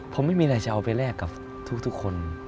ผมไม่มีอะไรจะเอาไปแลกกับทุกคน